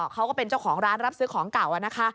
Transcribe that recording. เขาก็เป็นเจ้าของร้านรับซื้อของเก่านะคะ